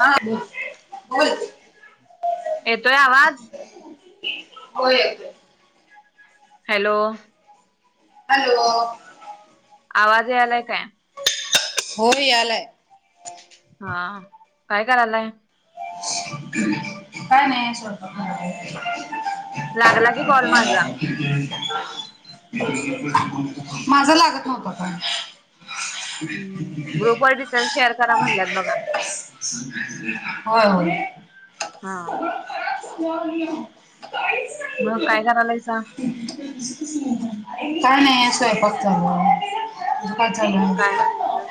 हा बोल बोल येतोय आवाज. हो. हॅलो. हॅलो. आवाज यायलाय काय. हो यालंय. हा काय करायलाय. [unintelligible] लागला की कॉल माझा. ह माझा लागत नव्हता का? हम्म, ग्रुप वाईज डिटेल् शेअर करा म्हटल्यात बघा. होय होय हा [unintelligible] मग काय करालायसा? काय नाही स्वयंपाक चालूय. तुझं काय चालूय? काय बनवायलाय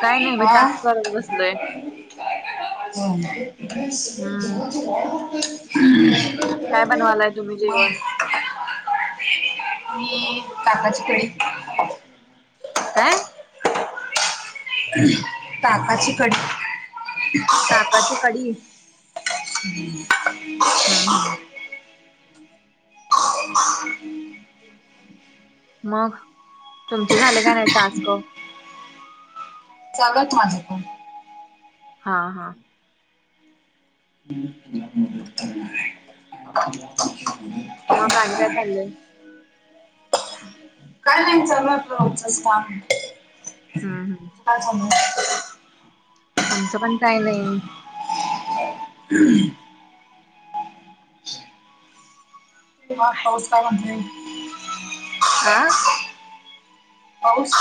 काय नाही, मी टास्क करत बसलोय. हम्म् हम्म काय बनवालाय तुम्ही मग, जेवण मी ताकाची कढी काय? ताकाची कड ताकाची कडी हम्म हम्म हम्म अय मग, तुमचे झाले काय नाही टास्क? चालू आहेत माझे पण. हा हा मी मुटणार नाय. मग आणि काय चाललंय? काय नाय चालूय रोजचंच काम. हम्म हम्म तुझं काय चाललंय? आमचं पण काय नाही. [unintelligible] तेव्हा पाऊस आला बाई. आ पाऊस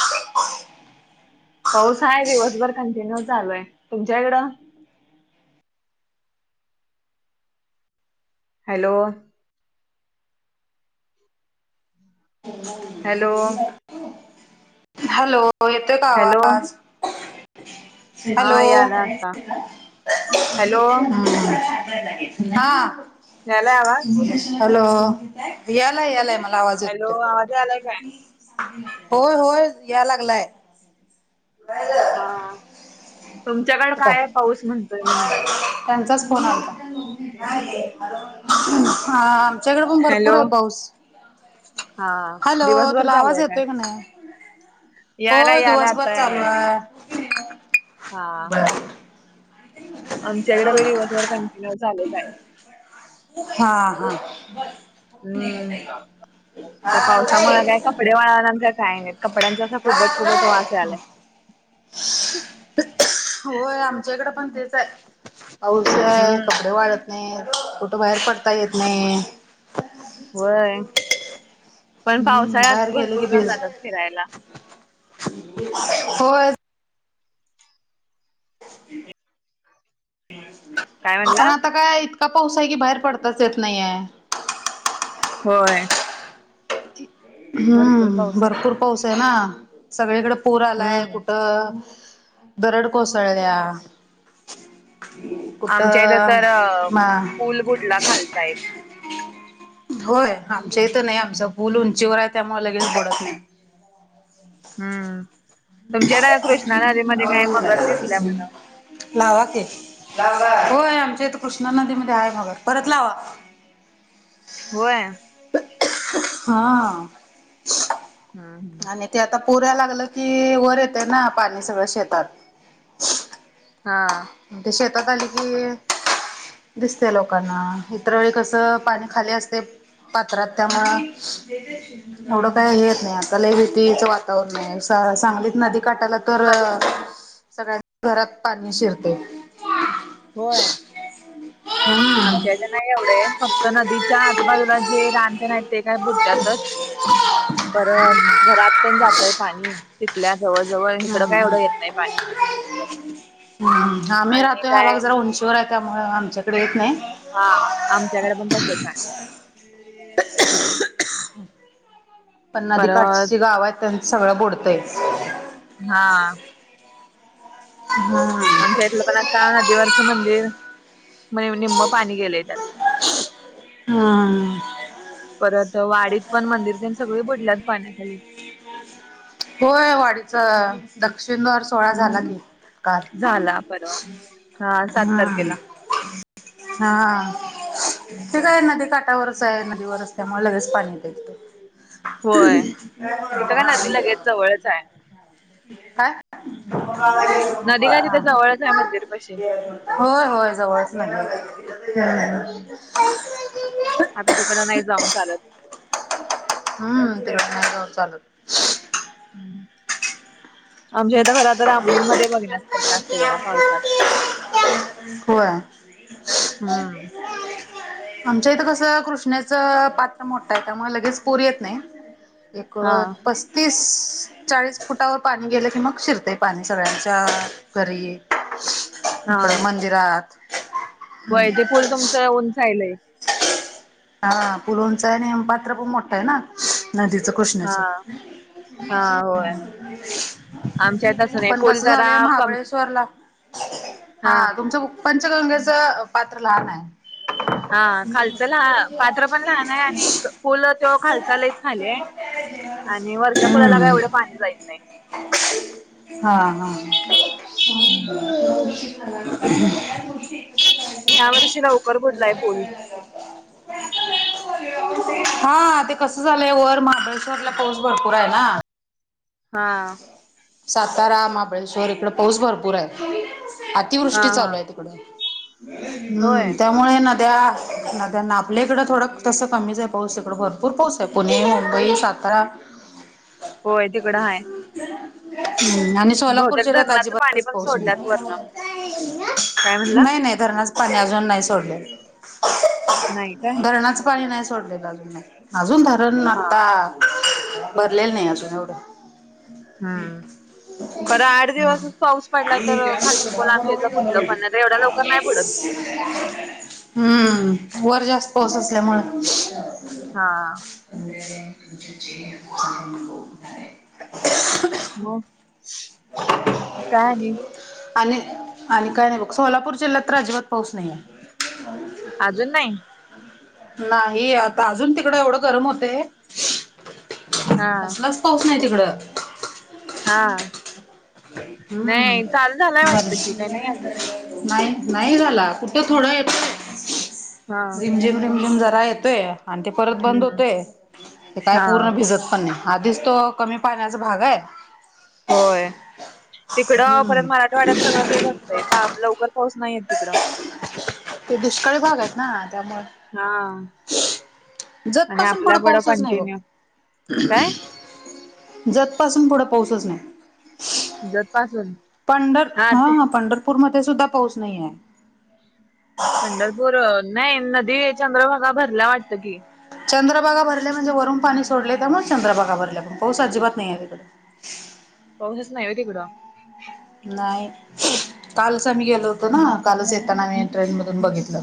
पाऊस आहे दिवसभर कंटिन्यू चालू आहे, तुमच्या इकडं? हॅलो! Hello hello! ये तोय का हॅलो आवाज? हा हॅलो! याला आता हम्म हॅलो हा, यालाय आवाज हॅलो! यालाय यालाय मला आवाज. हॅलो! येतोय. आवाज यालाय काय? होय होय, या लागलाय. हा, तुमच्याकडे तू काय कायए पाऊस म्हणतोय? मी म्हणालोय. त्यांचाच फोन आलाता, हा च्याकडे पण भरपूर हॅलो आहे पाऊस. हा हॅलो! दिवसभर तुला चालू आवाज आहे काय येतोय का नाही? यालाय हो यालाय दिवसभर आता चालू यालाय आहे. हा, आमच्याकडे पण दिवसभर कंटिन्यू चालुच आहे. हा हा हम्म त्या पावसामुळे काय कपडे वाळानात का काय नाय, कपड्यांचा असा कुबट कुबट वास यायलाय. होय आमच्या इकडं पण तेच आहे. पाऊस आहे, हम्म कपडे वाळत नाही, कुठं बाहेर पडता येत नाही. होय, पण हम्म पावसाळ्यात भरपूर जण जातात फिरायला. हो. काय पण म्हणला आता काय इतं का पाऊसा आहे की बाहेर पडताच येत नाहीय. होय भरपूर हं पाऊस आहे भरपूर पाऊस आहे ना सगळीकडें पूर आलाय हम्म कुठं दरड कोसळल्या आमच्या इथं कुठं तर अ, मा पूल बुडला खालचा एक होय आमच इथे नाही आमच फूल हम्म उंचीवर आहे त्यामुळे लगेच बुडत नाही हम्म तुमच्या का कृष्णा नदीमध्ये काय मगर दिसल्या म्हणा लावा की होय आमच्या इथ कृष्णा नदी मध्ये आहे मग परत लावा. होय. हा हा आणि ते आता पूर लागलं कि वर येत आहे ना पाणी सगळं शेतात हा म्हण ते शेतात आली की दिसते लोकांना इतर वेळी कसं पाणी खाली असतय पत्रात त्यामुळ एवढं काय हेेत नाही आता ल भीतीचं वातावरण हाय सांगलीत नदी काटाला तर सगळ्या घरात पाणी शिरतय होय. हम्म. आमच्याच्या नाही एवढं फक्त नदीच्या आजूबाजूला जे राणतेण ते काय बुडत्यातच. परत घरात ते जातय पाणी तिथल्या जवळ जवळ इकडं काय एवढं येत नाही पाणी हम आम्ही आणि राहतोय काय बग जरा उंचीवर आहे त्यामुळे आमच्याकडे येत नाही हा आमच्याकडे पण तसच आहे पण नदीकाठची परत जे गाव आहेत त्यांच सगळं बुडतंय हा. हा आमच्या इथलं पण आता नदीवरचं मंदिर म्हणे निम्म पाणी गेले त्या हा परत वाडीत पण मंदिर त्यां सगळे बुडल्यात पाण्याखाली होय वाडीचं दक्षिण द्वार सोळा झाला हम्म की काल झाला परवा हा सात ह तारखेला हा ते काय नदी काटावरच आहे नदीवरच त्यामुळे लगेच पाणी येतंय ते होय [unintelligible] तिथं काय नदी लगेच जवळच आहे. काय नदी काय तिथं जवळच आहे मंदिर पशी [unintelligible] हो होय जवळचं नाही हम्म आता तिकडं नाही जाऊन चालत हम्म ते नाय जाऊन चालत हम्म [unintelligible] आमच्या इथ खरं तर आमलीग मध्ये बघण्यासारखं असते बघा पावसात चालत. होय [unintelligible] आमच्या इथं कसं कृष्णाच पात्र मोठं आहे त्यामुळे लगेच पूर येत नाही हा प [unintelligible] तीस, चाळीस फुटावर पाणी गेलं की मग शिरते पाणी सगळ्यांच्या घरी. ब मंदिरात. वैद पूल तुमचं ऊन जाहिलय. हा फुलोंचा नेमपात्र पण मोठा आहे ना. नदीच हा कृष्णाच. हा होय आमच्या इथं तसं नाही पण पूल कस जरा झालंय कम महाबळेश्वरला हा तुमचं पंचगंगेचं पात्र लहान आहे. हा खालचं ल पात्र पण लहान आहे आणि फूलं तो खालचालच खाले. आणि वरच्या पुलाला काय हम्म एवढं पाणी जात नाही. हा हा ह. हम्म. ह्यावर्षी लवकर बुडलाय पुल हा ते कसं झालंय वर महाबळेश्वरला पाऊस भरपूर आहे ना. हा. सातारा महाबळेश्वर इकडे पाऊस भरपूर आहे. हा अतिवृष्टी हा चालू आहे तिकड हम्म होय त्या. त्यामुळे नद्या नद्या आपल्याकडं थोडं तसं कमीच आहे पाऊस इकडं भरपूर पाऊस. ते पुणे मुंबई सातारा. होय तिकडं आहेा. हम्म आणि. सोलापूर बहुतेक जिल्ह्य़ात धरणाचं पाणी अजिबातच पण पाऊस सोडल्यात वरनं काय म्हणला? नाही नाही. धरणाच पाणी अजून नाही सोडलेलं नाही काय? धरणाच पाणी नाही सोडलेलं. अजून धरण हा. आता भरलेलं नाही अजून एवढं. हम् खरं आठ दिवसच पाऊस पडला तर खालतं बोला आमच्या इथलं बुडलं पण. एवढ्या लवकर नाही पडून. हम्म वर जास्त पाऊस असल्यामूळ. हा हा. आहे. [unintelligible] मग काय नाही.. आणि आणि काय नाही बघ सोलापूर जिल्ह्यात तर अजिबात पाऊस नाही आहे. अजून नाही. नाही आता अजून तिकड एवढं गरम होतय. हा. कसलाच पाऊस नाही तिकडं. हा. हा [inaudible] नाही चालू झालाय बर. वाटतं की काय नाही अजून. नाही नाही झाला कुठं थोडं येतो हा. रिमझिम रिमझिम जरा आहेत. आणि ते परत बंद हम्म होते ते काय हा पूर्ण भिजत पण नाही. आधीच तो कमी पाण्याचा भाग आहे. होय. तिकडं परत हम्म मराठवाड्यात सगळं तेच असतं लवकर पाऊस नाहीयेत तिकडं. ते दुष्कळ भाग आहेत ना त्यामुळे. हा आणि जतपासून पुढं आपल्याकडं पाऊसच नाही बघ. कंटिन्यू काय जतपासून पुढं पाऊसच नाही... जतपासून. पंढर हा हा पंढरपूरमध्ये सुद्धा पाऊस नाहीये. पंढरपूर नाही नदी चंद्रभागा भरल्या वाटत कि. चंद्रभागा भरल्या म्हणजे वरून पाणी सोडले त्यामुळे चंद्रभागा भरल्या पण पाऊस अजिबात नाही आहे तिकडे. पाऊसचं नाही व्हय तिकडं. नाही कालच आम्ही गेलोतो ना कालच येताना आम्ही ट्रेन मधून बघितलं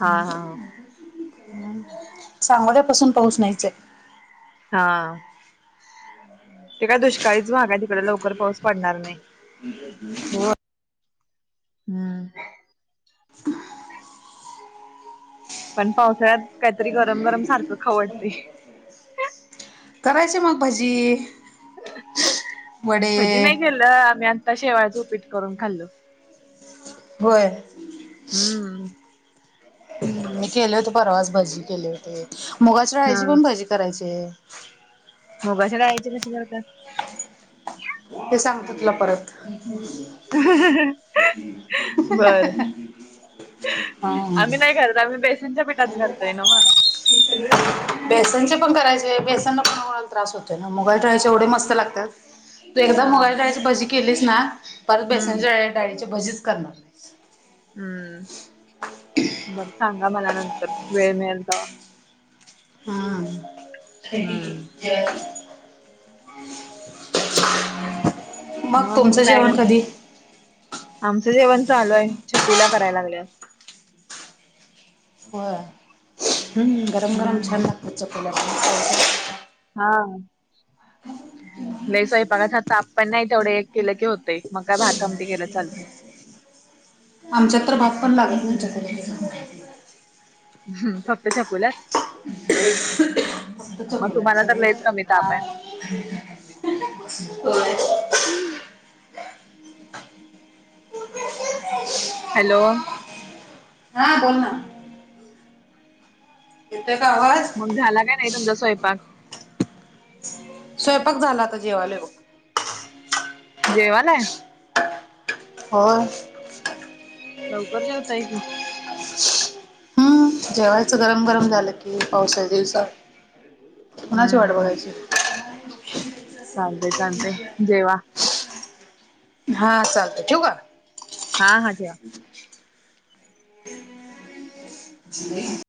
हा हा. सांगोड्यापसून पाऊस नाहीयचंय. हा. ते काय दुष्काळीच भाग तिकडे लवकर पाऊस पडणार नाही. हो. हम्म [unintelligible] पण पावसाळ्यात काहीतरी गरम गरम सारखं खाऊ वाटतय. करायच मग भजी. भजी वडे नाही गेलं आम्ही आता शेवाळच उपीट करून खाल्लो. होय. हम्म हम्म मी केले होते परवास भजी केले होते मुगाच्या हा डाळीची पण भजी करायचे. मुगाच्या डाळायचे बी असे करतात. हे सांगत तुला परत. करतात ह ह बर ह आम्ही नाही करत आम्ही बेसनच्या पिठाच करतोय ना म बेसनचे पण करायचे बेसनना पण त्रास होतय ना मुगाच्या डाळीच्या एवढे मस्त लागतात. तू एकदा हा मुगाच्या डाळीची भजी केलीस ना परत हम्म बेसनच्या ड डाळीची भजीच करणार नाहीस हम्. बरं सांगा मला नंतर वेळ मिळेल तेव्हा. हा. हम्म [unintelligible] [inaudible] मग तुमचं काय जेवण करताय? कधी? आमचं जेवण चालू आहे छकुल्या करायला लागल्या. होय गरम गरम हम्म छान लागतात चकुल्या पण हा. लई स्वयपाकाचा ताप पण नाही तेवढे एक केलं की होतेय मग काय भात आमटी केल की चालतंय. आमच्यात तर भात पण लागत नाही चकू हम्म फक्त चकुल्या फक्त मग छकुलेत तुम्हाला तर सगळे लईच कमी खात्यात ताप आहे मग. गार. हो. हॅलो हा बोल ना. येत का आवाज? मग झाला काय नाही तुमचा स्वयंपाक? स्वयंपाक झाला आता जेवायलो बघ. जेवालाय? होय. लवकर जेवताय की. हम्म जेवायचं गरम गरम झालं की पावसा दिवसा कुणाची वाट बघायची? चालते चालते जेवा हा चालते ठेवु का? हा हा ठेवा. [inaudible]